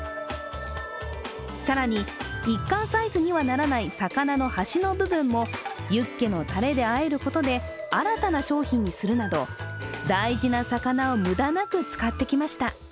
更に１貫サイズにはならない魚の端の部分も、ユッケのたれであえることで新たな商品にするなど大事な魚を無駄なく使ってきました。